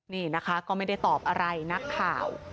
นี่นะคะก็ไม่ได้ตอบอะไรนะครับ